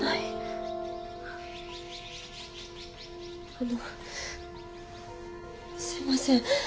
あのすいません私その。